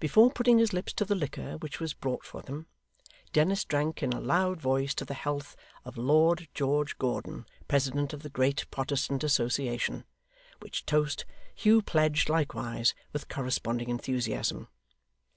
Before putting his lips to the liquor which was brought for them, Dennis drank in a loud voice the health of Lord George Gordon, President of the Great Protestant Association; which toast Hugh pledged likewise, with corresponding enthusiasm.